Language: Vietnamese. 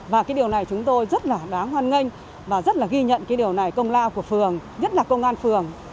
và cái điều này chúng tôi rất là đáng hoan nghênh và rất là ghi nhận cái điều này công lao của phường nhất là công an phường